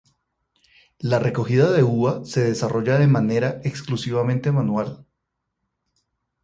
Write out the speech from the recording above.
La recogida de uva se desarrolla de manera exclusivamente manual.